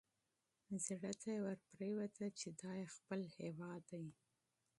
زړه ته یې ورپرېوته چې دا یې خپل هیواد دی.